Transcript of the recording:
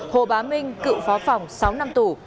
hồ bá minh cựu phó phòng sáu năm tù